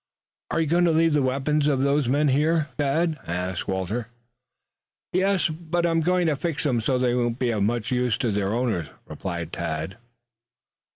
"Are you going to leave the weapons of those men here, Tad?" asked Walter. "Yes, but I'm going to fix them so they won't be of much use to their owners," replied Tad.